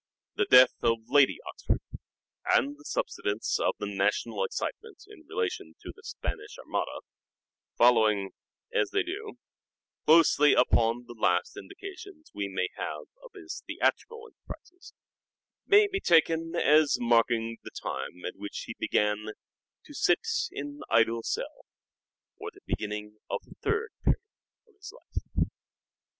The death of Lady Oxford, and the subsidence of the national excitement in relation to the Spanish Armada, following, as they do, closely upon the last indications we have of his theatrical enterprises, may be taken as marking the time at which he began " to sit in idle cell," or the beginning of the third period of his life.